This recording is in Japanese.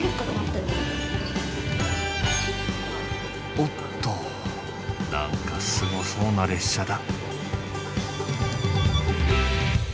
おっと何かすごそうな列車だ。